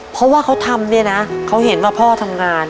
เพราะว่าเขาทำเนี่ยนะเขาเห็นว่าพ่อทำงาน